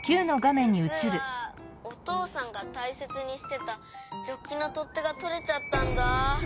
じつはおとうさんがたいせつにしてたジョッキのとってがとれちゃったんだ。